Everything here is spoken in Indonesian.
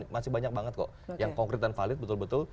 masih banyak banget kok yang konkret dan valid betul betul